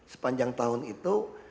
sepanjang tahun itu